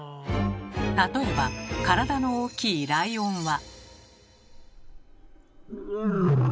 例えば体の大きいライオンは。